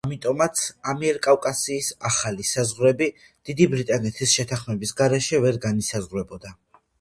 ამიტომაც ამიერკავკასიის ახალი საზღვრები დიდი ბრიტანეთის შეთანხმების გარეშე ვერ განისაზღვრებოდა.